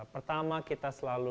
pertama kita selalu